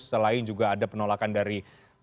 selain juga ada penolakan dari